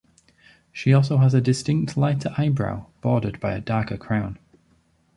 She also has a distinct light eyebrow bordered by a darker crown.